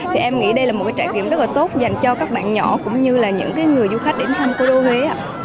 thì em nghĩ đây là một trải nghiệm rất là tốt dành cho các bạn nhỏ cũng như là những người du khách đến thăm cô đô huế